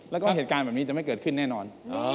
แล้วก็เหตุการณ์แบบนี้จะไม่เกิดขึ้นแน่นอน